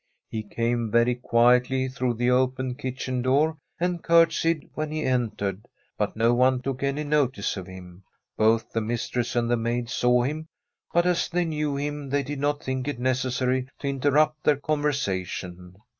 He came very quietly through the open kitchen door, and curtsied when he entered, but no one took any notice of him. Both the mis tress and the maid saw him, but as they knew him, they did not think it necessary to interrupt their conversation.